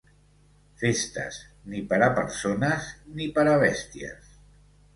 Festes, ni per a persones ni per a bèsties.